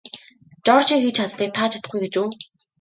Жоржийн хийж чадсаныг та чадахгүй гэж үү?